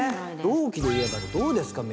同期でいえばどうですか？